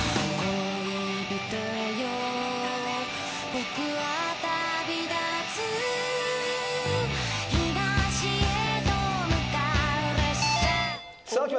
僕は旅立つ」「東へと向う列車」きました。